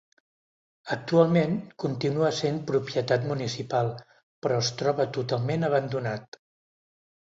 Actualment continua sent propietat municipal però es troba totalment abandonat.